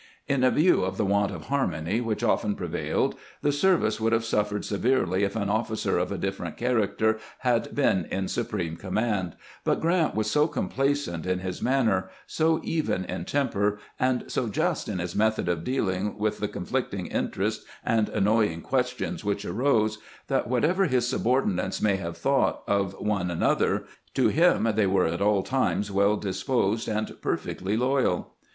In view of the want of harmony which often prevailed, the service would have suffered severely if an officer of a different character had been in supreme command ; but Grant was so complacent in his manner, so even in tem per, and so just in his method of dealing with the con flicting interests and annoying questions which arose, that whatever his subordinates may have thought of one another, to him they were at all times well disposed and perfectly loyal.